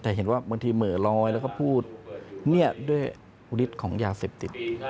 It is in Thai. แต่เห็นว่าบางทีเหม่อลอยแล้วก็พูดเนี่ยด้วยฤทธิ์ของยาเสพติด